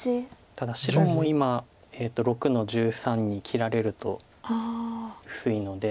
ただ白も今６の十三に切られると薄いので。